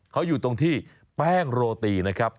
เขาอยู่ตรงที่แป้งโรตีนะครับ